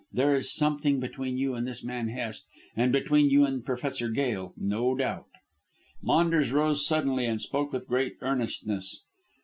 There is something between you and this man Hest, and between you and Professor Gail, no doubt." Maunders rose suddenly and spoke with great earnestness.